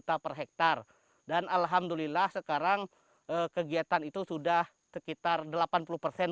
maka petani itu dapat bantuan itu dan kita dapat bantuan itu dan kita dapat bantuan itu dan kita dapat bantuan itu